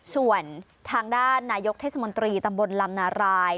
ส่วนทางด้านนายกเทศมนตรีตำบลลำนาราย